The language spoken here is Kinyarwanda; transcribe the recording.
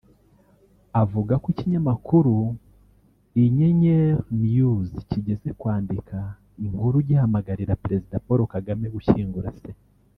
avuga ko ikinyamakuru inyenyerinews kigeze kwandika inkuru gihamagarira President Paul Kagame gushyingura se